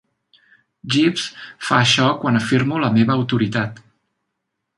Jeeves fa això quan afirmo la meva autoritat.